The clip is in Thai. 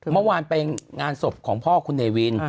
เมื่อวานไปงานศพของพ่อคุณเนวิน